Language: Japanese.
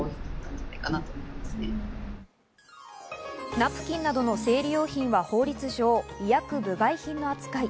ナプキンなどの生理用品は法律上、医薬部外品の扱い。